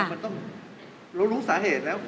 มันต้องรู้สาเหตุแล้ว